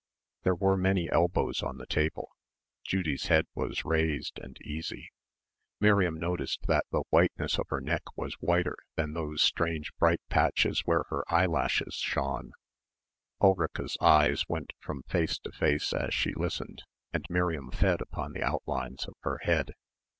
There were many elbows on the table. Judy's head was raised and easy. Miriam noticed that the whiteness of her neck was whiter than those strange bright patches where her eyelashes shone. Ulrica's eyes went from face to face as she listened and Miriam fed upon the outlines of her head.